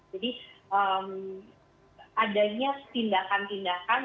jadi adanya tindakan tindakan